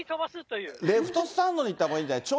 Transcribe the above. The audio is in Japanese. レフトスタンドにいたほうがいいんじゃない？